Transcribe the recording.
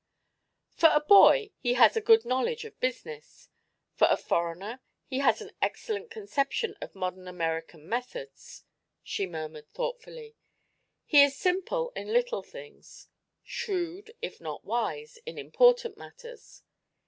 "For a boy, he has a good knowledge of business; for a foreigner, he has an excellent conception of modern American methods," she murmured thoughtfully. "He is simple in little things; shrewd, if not wise, in important matters.